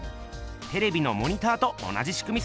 テレビのモニターと同じしくみっす。